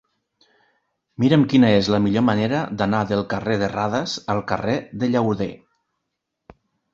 Mira'm quina és la millor manera d'anar del carrer de Radas al carrer de Llauder.